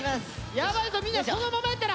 やばいぞみんな！